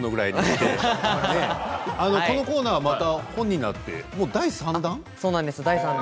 このコーナーがまた本になって第３弾？